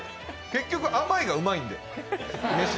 結局甘いがうまいんで。